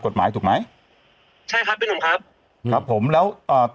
กฎหมายถูกไหมใช่ครับพี่หนุ่มครับครับผมแล้วอ่า